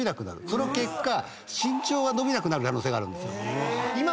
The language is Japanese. その結果身長伸びなくなる可能性がある。